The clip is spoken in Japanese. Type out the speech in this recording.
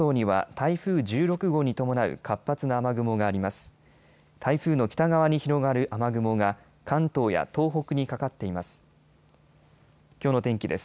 台風の北側に広がる雨雲が関東や東北にかかっています。